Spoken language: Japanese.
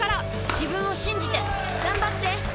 自分を信じて頑張って！